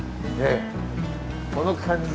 この感じ。